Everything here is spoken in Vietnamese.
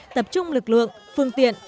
tập trung lực lượng phương tiện